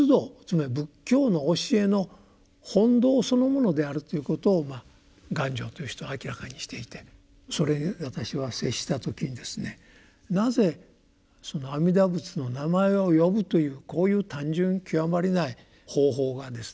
ものであるということを元照という人は明らかにしていてそれに私は接した時にですねなぜその阿弥陀仏の名前を呼ぶというこういう単純極まりない方法がですね